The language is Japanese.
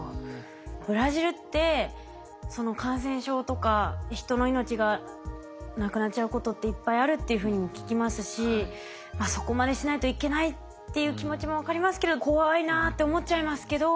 ブラジルってその感染症とか人の命がなくなっちゃうことっていっぱいあるっていうふうにも聞きますしそこまでしないといけないっていう気持ちも分かりますけど怖いなぁって思っちゃいますけど。